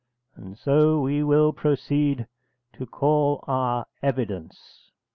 And so we will proceed to call our evidence.